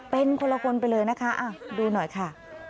เป็นคนละคนไปเลยนะคะดูหน่อยค่ะ